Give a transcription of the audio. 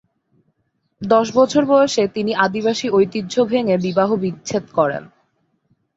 দশ বছর বয়সে তিনি আদিবাসী ঐতিহ্য ভেঙে বিবাহ বিচ্ছেদ করেন।